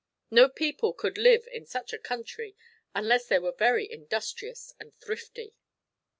No people could live in such a country unless they were very industrious and thrifty.